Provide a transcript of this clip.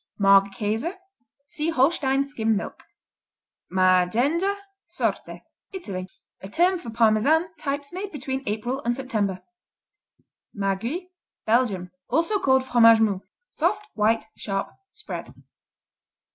Magerkäse see Holstein Skim Milk Maggenga, Sorte Italy A term for Parmesan types made between April and September. Maguis Belgium Also called Fromage Mou. Soft; white; sharp; spread.